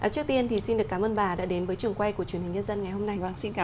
trước tiên xin được cảm ơn bà đã đến với trường quay của truyền hình nhân dân ngày hôm nay